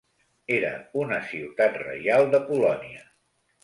Era una ciutat reial de Polònia.